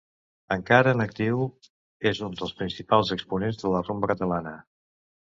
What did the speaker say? Encara en actiu, és un dels principals exponents de la rumba catalana.